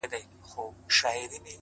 برايي نيمه شپه كي _